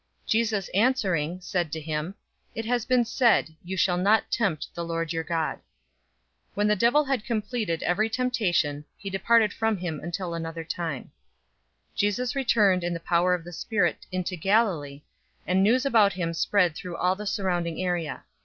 '"{Psalm 91:11 12} 004:012 Jesus answering, said to him, "It has been said, 'You shall not tempt the Lord your God.'"{Deuteronomy 6:16} 004:013 When the devil had completed every temptation, he departed from him until another time. 004:014 Jesus returned in the power of the Spirit into Galilee, and news about him spread through all the surrounding area.